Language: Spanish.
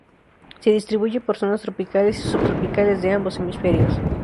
Se distribuye por zonas tropicales y subtropicales de ambos hemisferios.